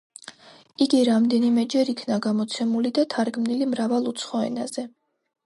იგი რამდენიმეჯერ იქნა გამოცემული და თარგმნილი მრავალ უცხო ენაზე.